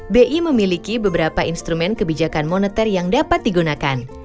bi memiliki beberapa instrumen kebijakan moneter yang dapat digunakan